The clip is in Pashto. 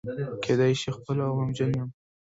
کېدای شي خپه او غمجن یم.